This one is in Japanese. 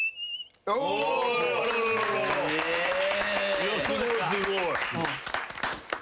いやすごいすごい。